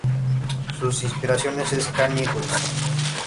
Su inspiración es Kanye West.